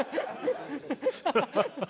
ハハハ！